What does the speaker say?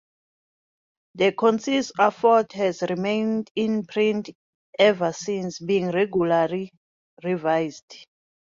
The Concise Oxford has remained in print ever since, being regularly revised.